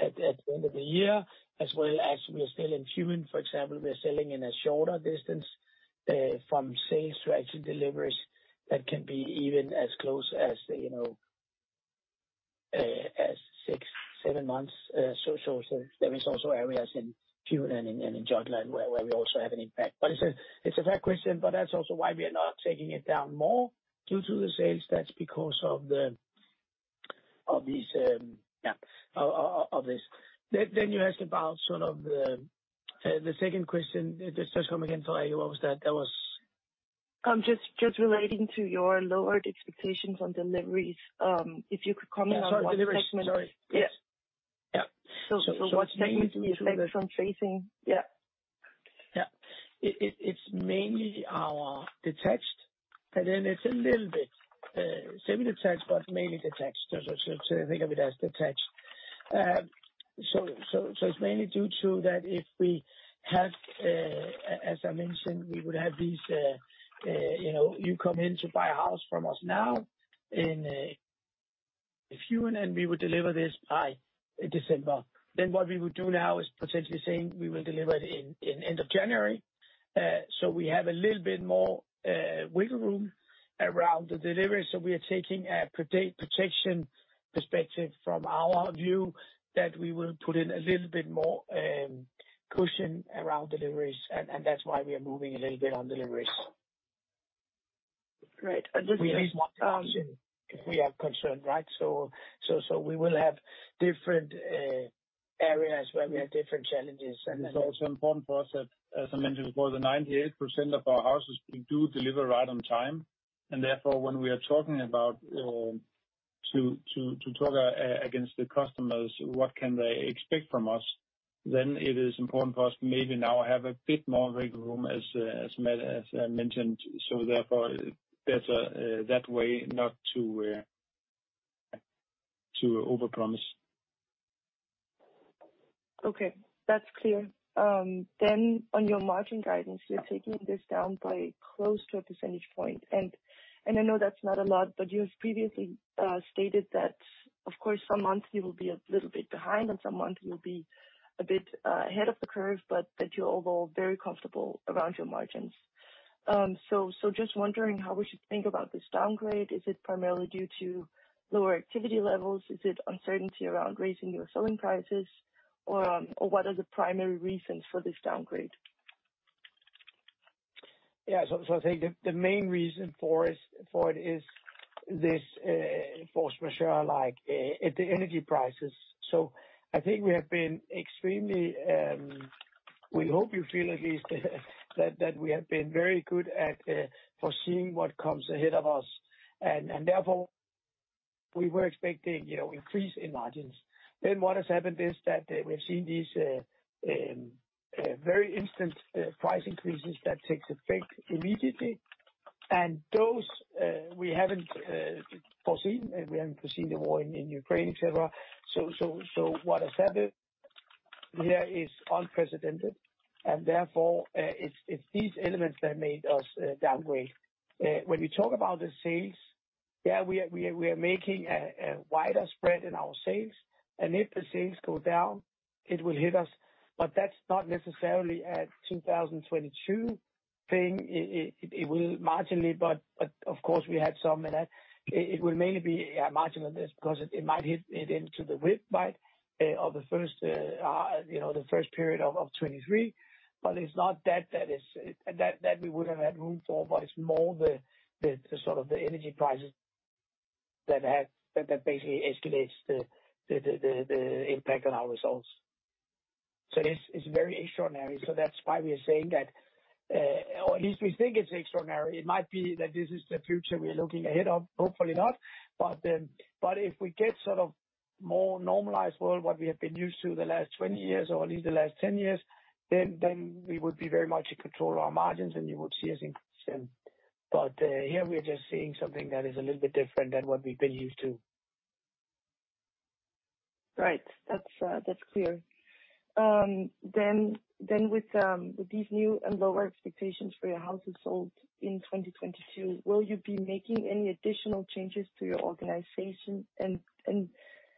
end of the year as well as we are still in Funen, for example, we are selling in a shorter distance from sales to actual deliveries that can be even as close as six-seven months. There is also areas in Funen and in Jutland where we also have an impact. It's a fair question, but that's also why we are not taking it down more due to the sales. That's because of the of these of this. You asked about sort of the second question. Just come again, Frederikke. What was that? That was- Just relating to your lowered expectations on deliveries, if you could comment on what segment? Yeah, sorry. Deliveries. Sorry. Yes. Yeah. What segment do you expect from phasing? Yeah. Yeah. It's mainly our detached and then it's a little bit semi-detached, but mainly detached. Think of it as detached. It's mainly due to that. If we have, as I mentioned, we would have these, you know, you come in to buy a house from us now, and then we would deliver this by December. Then what we would do now is potentially saying we will deliver it in the end of January. We have a little bit more wiggle room around the delivery. We are taking a protection perspective from our view that we will put in a little bit more cushion around deliveries. That's why we are moving a little bit on deliveries. Right. We have more cushion if we are concerned, right? So we will have different areas where we have different challenges. It's also important for us that, as I mentioned before, 98% of our houses we do deliver right on time. Therefore, when we are talking about talk to the customers, what can they expect from us, then it is important for us maybe now have a bit more wiggle room as I mentioned. Therefore there's that way not to overpromise. Okay, that's clear. On your margin guidance, you're taking this down by close to a percentage point. I know that's not a lot, but you have previously stated that of course some months you will be a little bit behind and some months you'll be a bit ahead of the curve, but that you're overall very comfortable around your margins. Just wondering how we should think about this downgrade. Is it primarily due to lower activity levels? Is it uncertainty around raising your selling prices or what are the primary reasons for this downgrade? Yeah. I think the main reason for it is this force majeure, like the energy prices. I think we have been extremely. We hope you feel at least that we have been very good at foreseeing what comes ahead of us. Therefore we were expecting, you know, increase in margins. What has happened is that we've seen these very instant price increases that takes effect immediately. Those we haven't foreseen, and we haven't foreseen the war in Ukraine, et cetera. What has happened here is unprecedented. Therefore, it's these elements that made us downgrade. When you talk about the sales, yeah, we are making a wider spread in our sales. If the sales go down, it will hit us. That's not necessarily a 2022 thing. It will marginally, but of course we had some of that. It will mainly be marginal because it might hit into the WIP by the first, you know, the first period of 2023. It's not that we would have had room for, but it's more the sort of energy prices. That basically escalates the impact on our results. It's very extraordinary. That's why we are saying that, or at least we think it's extraordinary. It might be that this is the future we are looking ahead of, hopefully not. If we get sort of more normalized world, what we have been used to the last 20 years or at least the last 10 years, then we would be very much in control of our margins and you would see us increasing. Here we are just seeing something that is a little bit different than what we've been used to. Right. That's clear. With these new and lower expectations for your houses sold in 2022, will you be making any additional changes to your organization?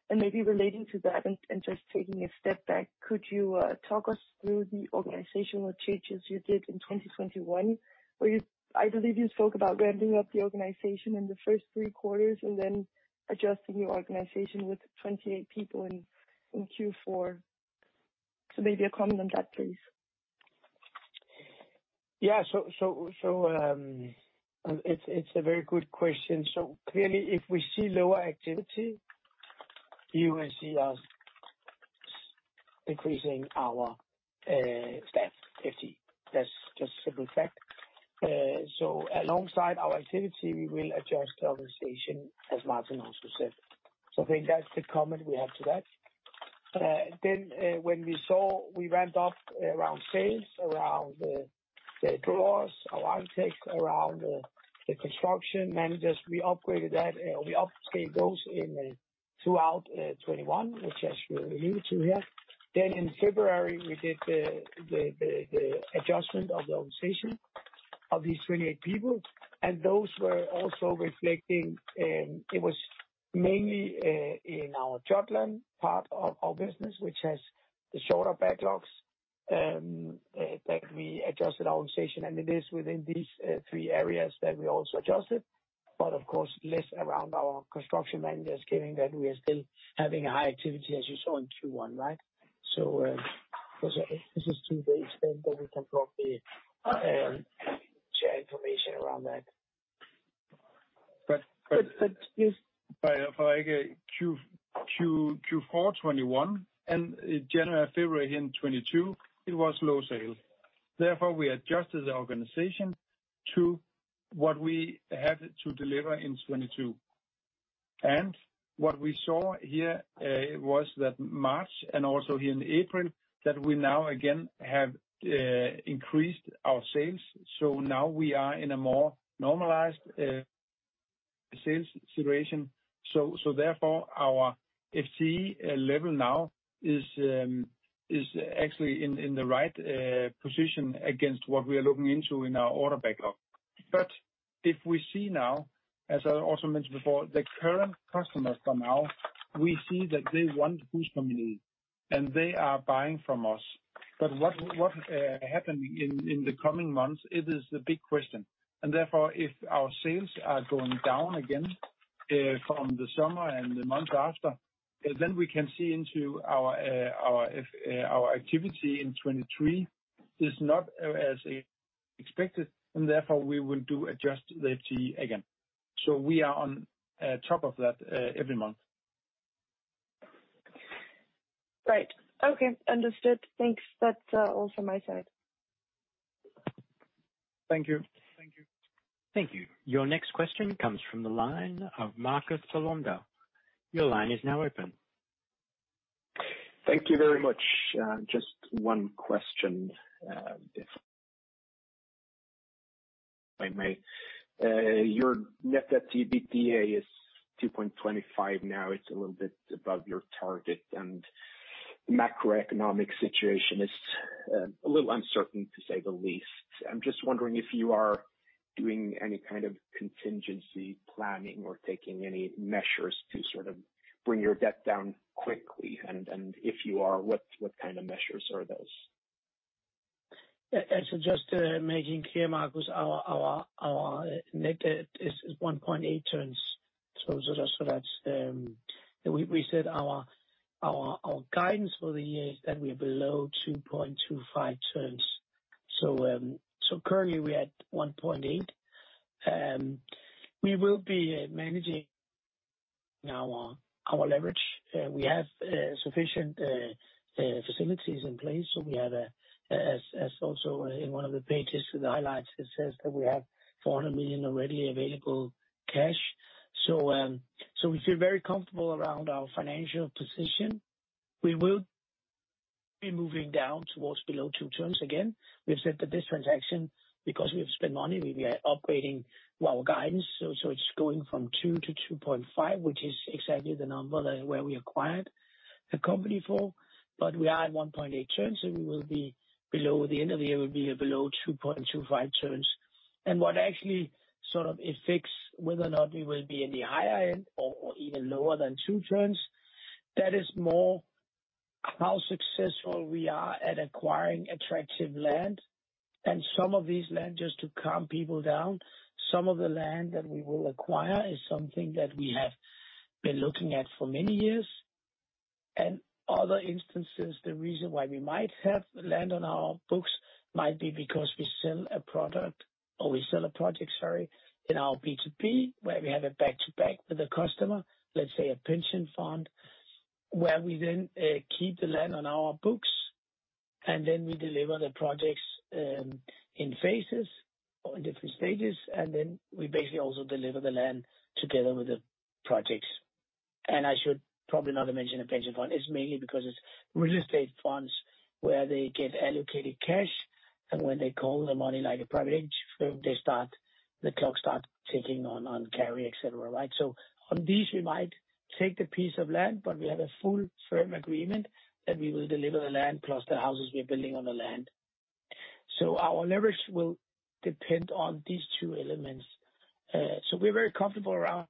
Maybe relating to that and just taking a step back, could you talk us through the organizational changes you did in 2021, where I believe you spoke about ramping up the organization in the first three quarters and then adjusting your organization with 28 people in Q4. Maybe a comment on that, please. Yeah. It's a very good question. Clearly, if we see lower activity, you will see us decreasing our staff, FTE. That's just simple fact. Alongside our activity, we will adjust the organization, as Martin also said. I think that's the comment we have to that. When we saw we ramped up around sales, around the drafters, around tech, around the construction managers, we upgraded that. We upscaled those in throughout 2021, which as we're alluding to here. In February, we did the adjustment of the organization of these 28 people, and those were also reflecting. It was mainly in our Jutland part of our business, which has the shorter backlogs, that we adjusted our organization. It is within these three areas that we also adjusted, but of course less around our construction managers, given that we are still having a high activity, as you saw in Q1, right? This is to the extent that we can probably share information around that. But, but- But, but this- If I may. Q4 2021 and in January, February in 2022, it was low sales. Therefore, we adjusted the organization to what we had to deliver in 2022. What we saw here was that March and also here in April, that we now again have increased our sales. Now we are in a more normalized sales situation. Therefore our FTE level now is actually in the right position against what we are looking into in our order backlog. If we see now, as I also mentioned before, the current customers come out, we see that they want HusCompagniet, and they are buying from us. What happened in the coming months, it is the big question. Therefore, if our sales are going down again from the summer and the month after, then we can see that our activity in 2023 is not as expected, and therefore we will adjust the FTE again. We are on top of that every month. Right. Okay. Understood. Thanks. That's all from my side. Thank you. Thank you. Thank you. Your next question comes from the line of Marcus Solander. Your line is now open. Thank you very much. Just one question, if I may. Your net debt to EBITDA is 2.25x now. It's a little bit above your target, and the macroeconomic situation is a little uncertain, to say the least. I'm just wondering if you are doing any kind of contingency planning or taking any measures to sort of bring your debt down quickly. If you are, what kind of measures are those? Just to make it clear, Marcus, our net debt is 1.8x turns. Just so that we said our guidance for the year is that we're below 2.25x turns. Currently we're at 1.8x. We will be managing our leverage. We have sufficient facilities in place. We have, as also in one of the pages with the highlights, it says that we have 400 million already available cash. We feel very comfortable around our financial position. We will be moving down towards below 2x turns again. We've said that this transaction, because we've spent money, we are upgrading our guidance. It's going from 2x to 2.5x, which is exactly the number that we acquired the company for. We are at 1.8x turns, so we will be below the end of the year, we'll be below 2.25x turns. What actually sort of affects whether or not we will be in the higher end or even lower than 2x turns, that is more how successful we are at acquiring attractive land. Some of these land, just to calm people down, some of the land that we will acquire is something that we have been looking at for many years. Other instances, the reason why we might have land on our books might be because we sell a product or we sell a project, sorry, in our B2B, where we have a back-to-back with a customer, let's say a pension fund, where we then keep the land on our books, and then we deliver the projects in phases or in different stages, and then we basically also deliver the land together with the projects. I should probably not have mentioned a pension fund. It's mainly because it's real estate funds where they get allocated cash, and when they call the money like a private equity firm, the clock starts ticking on carry, et cetera. Right? On these, we might take the piece of land, but we have a full firm agreement that we will deliver the land plus the houses we are building on the land. We're very comfortable around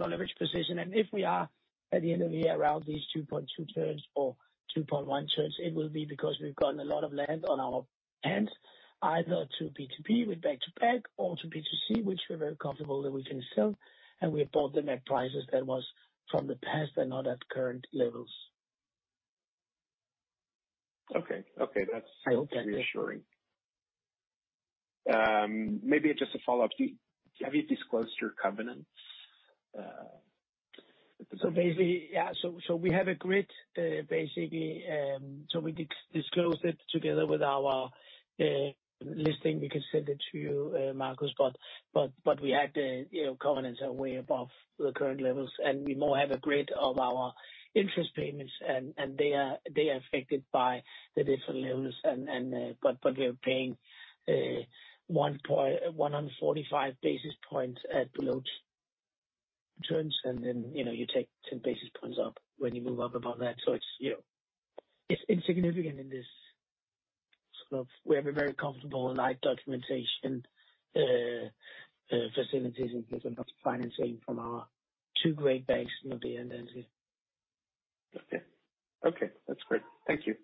our leverage position. If we are, at the end of the year, around these 2.2x turns or 2.1x turns, it will be because we've gotten a lot of land on our hands, either to B2B with back-to-back or to B2C, which we're very comfortable that we can sell, and we bought them at prices that was from the past and not at current levels. Okay. That's reassuring. Maybe just a follow-up. Have you disclosed your covenants? Basically, yeah. We have a grid, basically, we disclose it together with our listing. We can send it to you, Marcus. We had, you know, covenants are way above the current levels. We more have a grid of our interest payments, and they are affected by the different levels. We're paying 145 basis points at below returns. Then, you know, you take 10 basis points up when you move up above that. It's, you know, it's insignificant in this sort of. We have a very comfortable loan documentation facilities in case of not financing from our two great banks, Nordea and DNB. Okay. That's great. Thank you.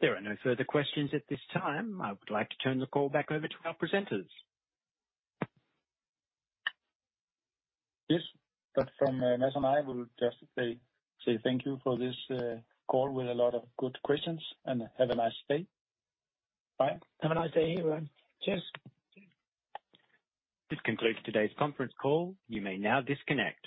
There are no further questions at this time. I would like to turn the call back over to our presenters. Yes. From Mads and I, we'll just say thank you for this call with a lot of good questions, and have a nice day. Bye. Have a nice day, everyone. Cheers. This concludes today's conference call. You may now disconnect.